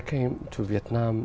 vâng khi tôi đến việt nam